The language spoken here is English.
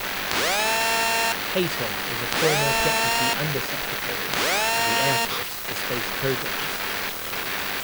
Payton is a former Deputy Under Secretary of the Air Force for Space Programs.